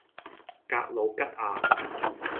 格鲁吉亞